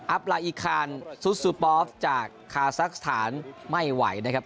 ปลาอิคานซุซูปอล์ฟจากคาซักสถานไม่ไหวนะครับ